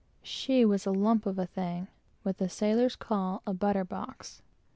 She was a lump of a thing what the sailors call a butter box.